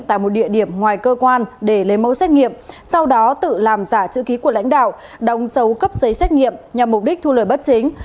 tại một địa điểm ngoài cơ quan để lấy mẫu xét nghiệm sau đó tự làm giả chữ ký của lãnh đạo đóng dấu cấp giấy xét nghiệm nhằm mục đích thu lời bất chính